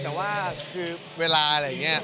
มีอีกประมาณ๑๐ปี